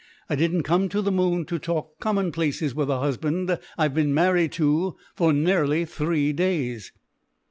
I didn't come to the moon to talk commonplaces with a husband I've been married to for nearly three days."